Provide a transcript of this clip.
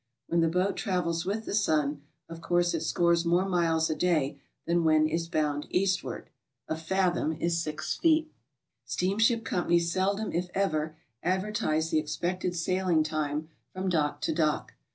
When the boat travels with the sun, of course it scores more miles a day than when it is bound eastward. A fathom is 6 feet. Steamship companies seldom if ever advertise the ex pected sailing time fro m dock to dock.